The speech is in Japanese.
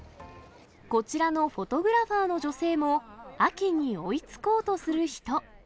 こちらのフォトグラファーの女性も、秋に追いつこうとする人。